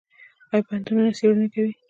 آیا پوهنتونونه څیړنې کوي؟